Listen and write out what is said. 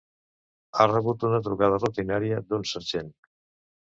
Ha rebut una trucada rutinària d'un sergent.